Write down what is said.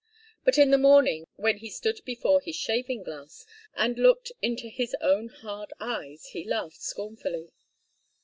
But in the morning, when he stood before his shaving glass, and looked into his own hard eyes, he laughed scornfully.